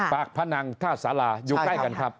พนังท่าสาราอยู่ใกล้กันครับ